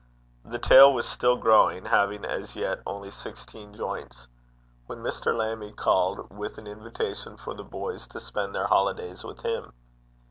The tail was still growing, having as yet only sixteen joints, when Mr. Lammie called with an invitation for the boys to spend their holidays with him.